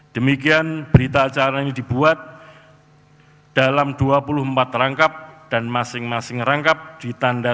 demikian berita acara ini dibuat dalam dua puluh empat rangkap dan masing masing rangkap ditanda